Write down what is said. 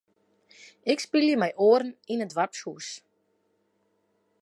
Ik spylje mei oaren yn it doarpshûs.